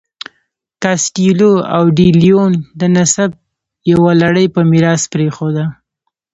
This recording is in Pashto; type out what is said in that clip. کاسټیلو او ډي لیون د نسب یوه لړۍ په میراث پرېښوده.